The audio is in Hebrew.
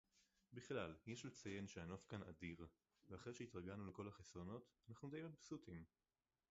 בַּכְּלָל, יֵש לְצַיֵין שֶהַנוֹף כָּאן אַדִיר, וְאַחֲרֵי שֶהִתְרַגַלְנוּ לְכָול הַחֶסְרוֹנוֹת – אֲנַחְנוּ דַי מַבְּסוּטִים.